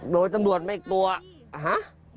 โดยตำรวจไม่กลัวฮะ